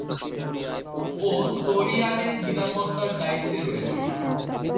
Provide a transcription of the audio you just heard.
ও সোরিয়ানের নিরাপত্তার দায়িত্বে রয়েছে।